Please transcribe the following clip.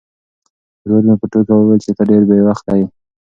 ورور مې په ټوکه وویل چې ته ډېر بې وخته یې.